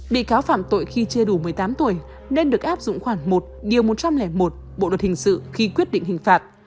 bị cáo phạm tội khi chưa đủ một mươi tám tuổi nên được áp dụng khoảng một điều một trăm linh một bộ luật hình sự khi quyết định hình phạt